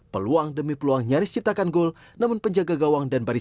peluang demi peluang nyaris ciptakan gol namun penjaga gawang dan baris